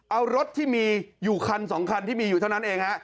เอารถที่มีอยู่คัน๒คันที่มีอยู่เท่านั้นเองฮะ